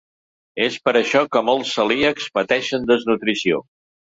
És per això que molts celíacs pateixen desnutrició.